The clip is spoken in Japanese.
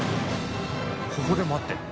ここで待ってるの？